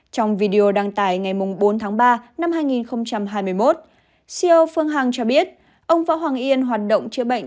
trong video đăng tải ngày bốn tháng ba năm hai nghìn hai mươi một siêu phương hằng cho biết ông võ hoàng yên hoạt động chữa bệnh